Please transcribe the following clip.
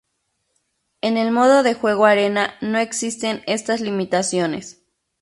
En el modo de juego Arena no existen estas limitaciones.